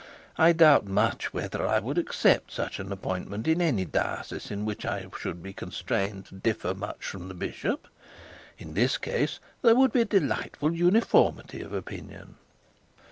I doubt much whether I would accept such an appointment in any diocese in which I should be constrained to differ much from the bishop. In this case there would be a delightful uniformity of opinion.'